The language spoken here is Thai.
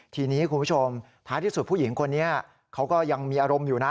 ทีนี้คุณผู้ชมท้ายที่สุดผู้หญิงคนนี้เขาก็ยังมีอารมณ์อยู่นะ